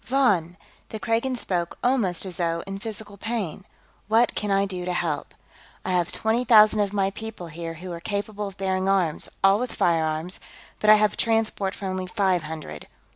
"Von!" The Kragan spoke almost as though in physical pain. "What can I do to help? I have twenty thousand of my people here who are capable of bearing arms, all with firearms, but I have transport for only five hundred.